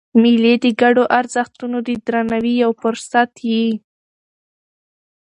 مېلې د ګډو ارزښتونو د درناوي یو فرصت يي.